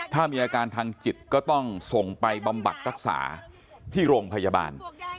ถ้ามีอาการทางจิตก็ต้องส่งไปบำบัดรักษาที่โรงพยาบาล